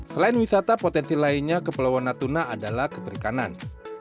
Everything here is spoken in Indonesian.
selain wisata potensi lainnya kepeluang natuna adalah keberikanan